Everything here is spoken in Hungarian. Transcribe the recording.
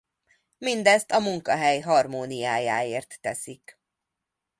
Mindezt a munkahely harmóniájáért teszik.